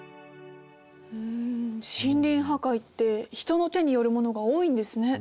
ん森林破壊って人の手によるものが多いんですね。